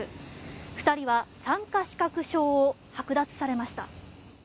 ２人は参加資格証をはく奪されました。